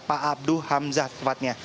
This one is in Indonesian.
pak abdu hamzah tepatnya